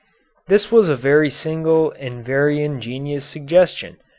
This was a very single and a very ingenious suggestion.